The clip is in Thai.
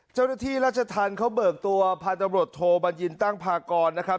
เจ้าหน้าที่ราชธรรมเขาเบิกตัวพันธุ์ตำรวจโทบัญญินตั้งพากรนะครับ